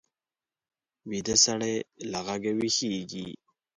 ویده سړی له غږه ویښېږي